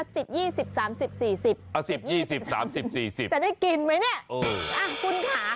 ๑๐๒๐๓๐๔๐จะได้กินไหมเนี่ยคุณค่ะ